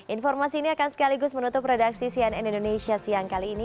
informasi ini akan sekaligus menutup redaksi cnn indonesia siang kali ini